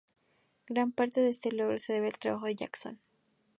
Gran parte de este logro se debe al trabajo de Jackson.